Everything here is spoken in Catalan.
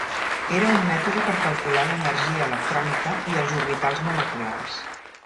Era un mètode per calcular l'energia electrònica i els orbitals moleculars.